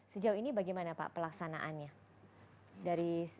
sejauh ini bagaimana pak pelaksanaannya